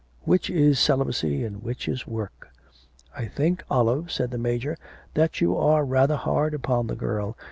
Which is Celibacy and which is Work?' 'I think, Olive,' said the Major, 'that you are rather hard upon the girl.